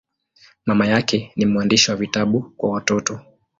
Mama yake ni mwandishi wa vitabu kwa watoto.